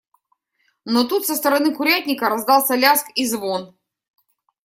Но тут со стороны курятника раздался лязг и звон.